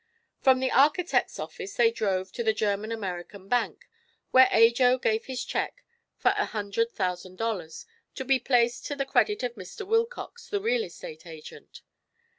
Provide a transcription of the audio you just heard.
From the architect's office they drove to the German American Bank, where Ajo gave his check for a hundred thousand dollars, to be placed to the credit of Mr. Wilcox, the real estate agent.